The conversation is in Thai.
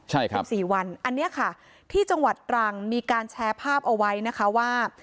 ใช่ครับ๑๔วันอันนี้ค่ะที่จังหวัดตรังมีการแชร์ภาพเอาไว้นะคะว่า